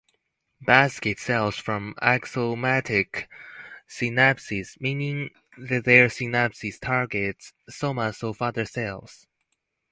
Basket cells form axo-somatic synapses, meaning their synapses target somas of other cells.